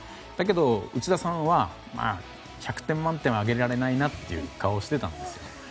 だけど内田さんは１００点満点はあげられないという顔をしてたんですよ。